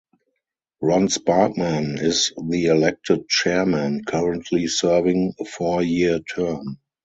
Ron Sparkman is the elected chairman, currently serving a four-year term.